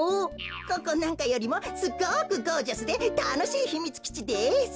ここなんかよりもすごくゴージャスでたのしいひみつきちです。